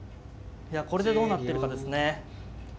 これでどうなってるかですね。